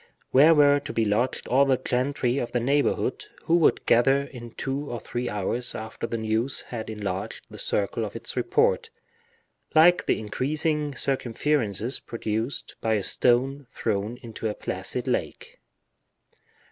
Where were to be lodged all the gentry of the neighborhood, who would gather in two or three hours after the news had enlarged the circle of its report, like the increasing circumferences produced by a stone thrown into a placid lake?